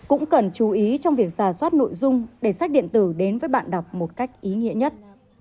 cũng cần chú ý trong việc xà xoát nội dung để sách điện tử đến với bạn đọc một cách ý nghĩa nhất